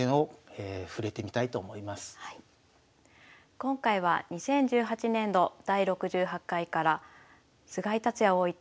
今回は２０１８年度第６８回から菅井竜也王位対